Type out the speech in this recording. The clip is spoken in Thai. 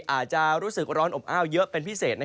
อาจจะรู้สึกร้อนอบอ้าวเยอะเป็นพิเศษ